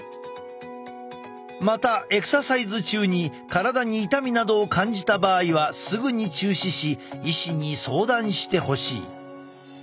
またエクササイズ中に体に痛みなどを感じた場合はすぐに中止し医師に相談してほしい。